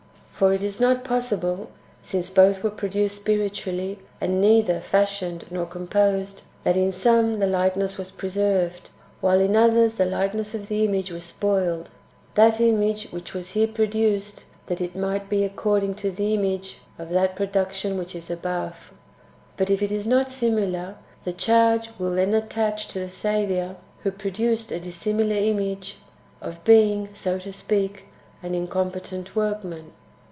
For it is not possible, since both w^ere produced spiritually, and neither fashioned nor composed, that in some the likeness was pre served, while in others the likeness of the image was spoiled, that image which was here produced that it might be according to the image of that production which is above. But if it is not similar, the charge will then attach to the Saviour, who produced a dissimilar image, — of being, so to speak, an incom petent workman.